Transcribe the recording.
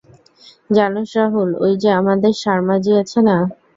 জানোস রাহুল, ওই যে আমাদের সার্মা জি আছে না?